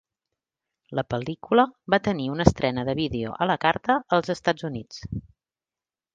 La pel·lícula va tenir una estrena de vídeo a la carta als Estats Units.